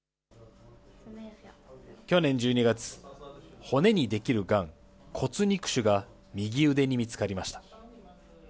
去年１２月、骨に出来るがん、骨肉腫が右腕に見つかりました。